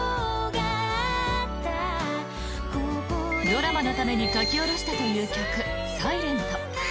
ドラマのために書き下ろしたという曲「サイレント」。